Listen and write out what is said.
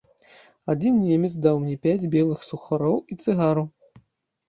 Адзін немец даў мне пяць белых сухароў і цыгару.